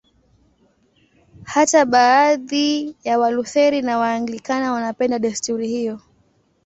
Hata baadhi ya Walutheri na Waanglikana wanapenda desturi hiyo.